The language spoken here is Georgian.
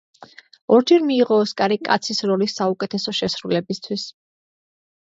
ორჯერ მიიღო ოსკარი კაცის როლის საუკეთესო შესრულებისთვის.